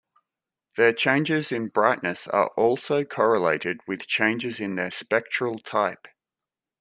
Their changes in brightness are also correlated with changes in their spectral type.